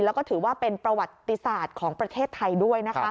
แล้วก็ถือว่าเป็นประวัติศาสตร์ของประเทศไทยด้วยนะคะ